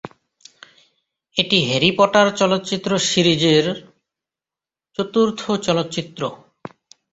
এটি Harry Potter চলচ্চিত্র সিরিজের চতুর্থ চলচ্চিত্র।